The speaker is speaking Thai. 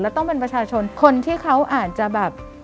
แล้วต้องเป็นประชาชนคนที่เขาอาจจะแบบ